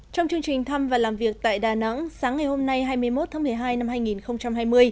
trong chương trình thăm và làm việc tại đà nẵng sáng ngày hôm nay hai mươi một tháng một mươi hai năm hai nghìn hai mươi